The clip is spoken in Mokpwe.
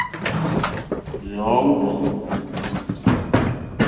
Jó òŋɡô.